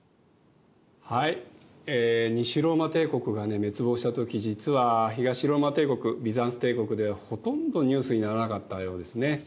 はい西ローマ帝国が滅亡した時実は東ローマ帝国ビザンツ帝国ではほとんどニュースにならなかったようですね。